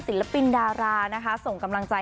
ศิลปินดารานะคะส่งกำลังใจ